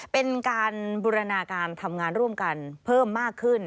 เป็นการบูรณาการทำงานร่วมกันเพิ่มมากขึ้น